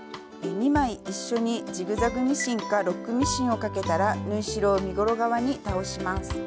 ２枚一緒にジグザグミシンかロックミシンをかけたら縫い代を身ごろ側に倒します。